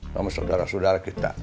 sama saudara saudara kita